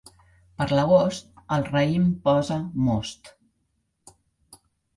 Per l'agost el raïm posa most.